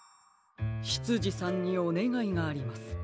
しつじさんにおねがいがあります。